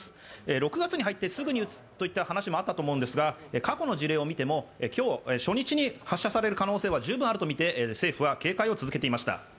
６月に入ってすぐに撃つといった話もあったと思いますが、過去の事例を見ても今日、初日に発射される可能性は十分あるとみて政府は警戒を続けていました。